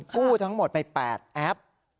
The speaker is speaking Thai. ทั้งหมดไป๘แอป